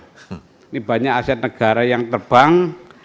ini banyak aset negara yang terbang